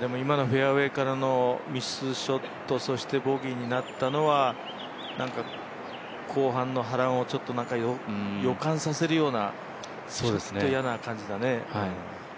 でも今のフェアウエーからのミスショット、そしてボギーになったのは後半の波乱を予感させるようなちょっと嫌な感じだね。